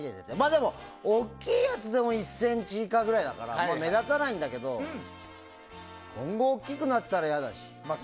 でも、大きいやつでも１ｃｍ以下ぐらいだから目立たないんだけど今後、大きくなったら嫌だし。